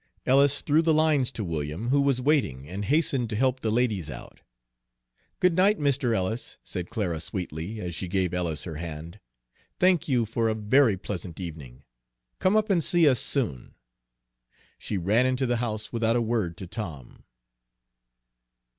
Ellis threw the lines to William, who was waiting, and hastened to help the ladies out. "Good night, Mr. Ellis," said Clara sweetly, as she gave Ellis her hand. "Thank you for a very pleasant evening. Come up and see us soon." She ran into the house without a word to Tom.